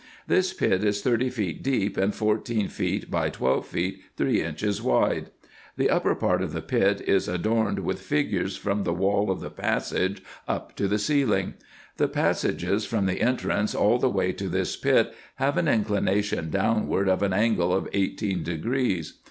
This pit is thirty feet deep, and fourteen feet by twelve feet three inches wide. The upper part of the pit is adorned with figures, from the wall of the passage up to the ceiling. The passages from the entrance all the way to this pit have an inclination downward of an angle of eighteen degrees.